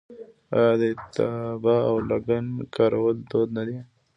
آیا د افتابه او لګن کارول دود نه دی؟